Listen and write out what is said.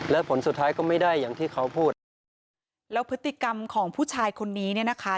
และผลสุดท้ายก็ไม่ได้อย่างที่เขาพูดแล้วพฤติกรรมของผู้ชายคนนี้เนี่ยนะคะ